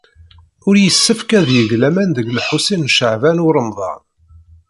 Ur yessefk ad yeg laman deg Lḥusin n Caɛban u Ṛemḍan.